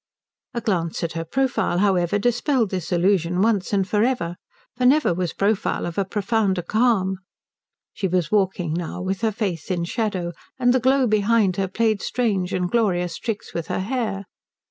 A glance at her profile however dispelled this illusion once and for ever, for never was profile of a profounder calm. She was walking now with her face in shadow, and the glow behind her played strange and glorious tricks with her hair.